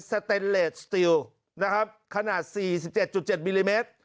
สเตนเลสติลนะครับขนาดสี่สิบเจ็ดจุดเจ็ดมิลลิเมตร